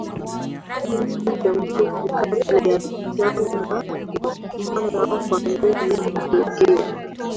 muda mfupi kabla ya janga la kuzama kwa meli kutokea